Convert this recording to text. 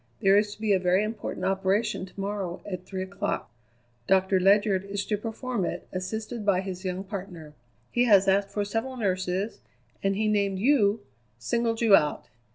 There is to be a very important operation to morrow at three o'clock. Doctor Ledyard is to perform it, assisted by his young partner. He has asked for several nurses, and he named you singled you out.